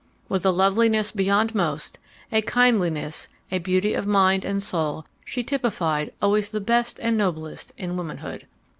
With a loveliness beyond most, a kindliness, a beauty of mind and soul, she typified always the best and noblest in womanhood.